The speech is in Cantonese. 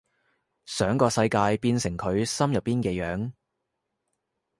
想個世界變成佢心入邊嘅樣